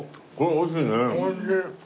おいしい！